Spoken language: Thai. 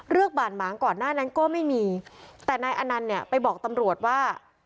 เลือกบ่านหม้างก่อนนายอานานก็ไม่มีแต่นายอานานเนี่ยไปบอกตำรวจว่า